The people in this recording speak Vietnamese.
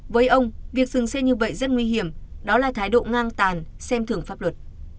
với ông việc dừng xe như vậy rất nguy hiểm đó là thái độ ngang tàn xem thưởng pháp luật